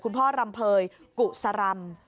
คุณพ่อรัมเภยกุศรรรม